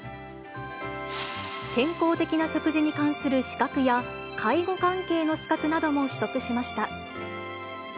健康的な食事に関する資格や、介護関係の資格なども取得しました。